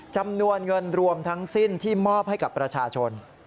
จำนวนเงินรวมทั้งสิ้นที่มอบให้กับประชาชน